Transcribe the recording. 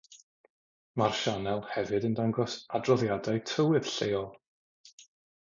Mae'r sianel hefyd yn dangos adroddiadau tywydd lleol.